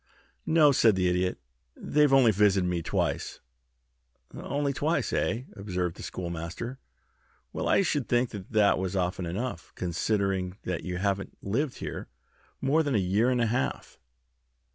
"No," said the Idiot. "They've only visited me twice." "Only twice, eh?" observed the Schoolmaster. "Well, I should think that was often enough, considering that you haven't lived here more than a year and a half."